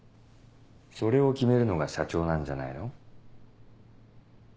それを決めるのが社長なんじゃないの？